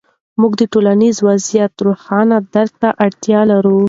موږ د ټولنیز وضعیت روښانه درک ته اړتیا لرو.